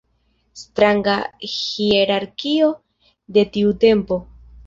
Stranga hierarkio de tiu tempo.